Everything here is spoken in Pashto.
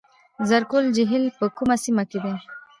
زرکول جهیل په کومه سیمه کې دی؟